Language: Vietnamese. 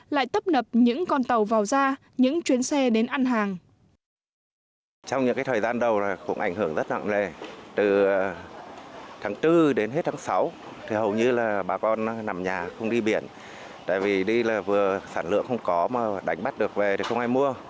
lại tấp nập những con tàu vào ra những chuyến xe đến ăn hàng